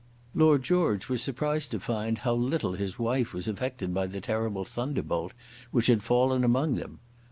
Lord George was surprised to find how little his wife was affected by the terrible thunderbolt which had fallen among them.